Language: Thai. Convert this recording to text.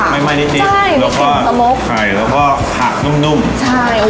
แม่นใม่นิดแล้วก็ไส้แล้วก็ผักนุ่มนุ่มใช่ฮู